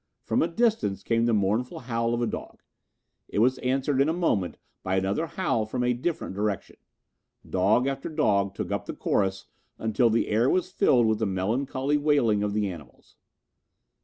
From a distance came the mournful howl of a dog. It was answered in a moment by another howl from a different direction. Dog after dog took up the chorus until the air was filled with the melancholy wailing of the animals.